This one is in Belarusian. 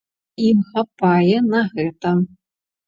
Ім хапае на гэта.